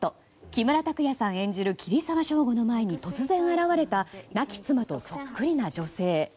木村拓哉さん演じる桐沢祥吾の前に突然現れた亡き妻とそっくりな女性。